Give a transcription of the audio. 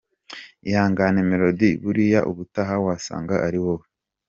Ihangane Melodie buriya ubutaha wasanga ari wowe.